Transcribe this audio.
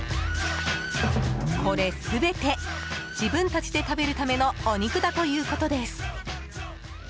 これ全て自分たちで食べるためのお肉だということです。